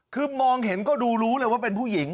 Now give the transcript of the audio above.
คือมองเห็นก็ดูรู้เลยว่าเป็นผู้หญิง